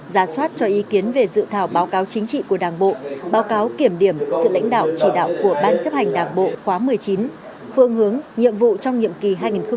giả soát cho ý kiến về dự thảo báo cáo chính trị của đảng bộ báo cáo kiểm điểm sự lãnh đạo chỉ đạo của ban chấp hành đảng bộ khóa một mươi chín phương hướng nhiệm vụ trong nhiệm kỳ hai nghìn hai mươi hai nghìn hai mươi năm